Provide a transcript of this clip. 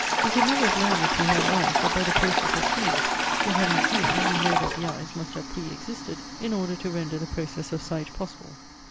We could never have learned that we had eyes but by the process of seeing; yet having seen we know that the eyes must have pre existed in order to render the process of sight possible.